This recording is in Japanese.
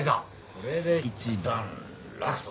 これで一段落と。